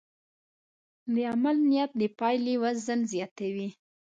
د عمل نیت د پایلې وزن زیاتوي.